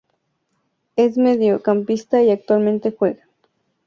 Es mediocampista y actualmente juega en Club Sportivo Desamparados de San Juan.